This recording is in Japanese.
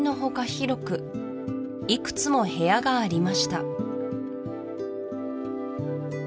広くいくつも部屋がありました